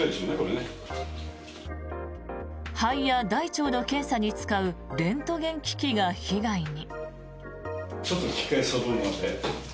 肺や大腸の検査に使うレントゲン機器が被害に。